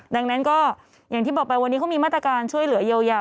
ดังนั้นก็อย่างที่บอกไปวันนี้เขามีมาตรการช่วยเหลือเยียวยา